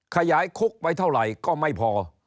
ขยายคุกไปเท่าไหร่ก็ไม่พอ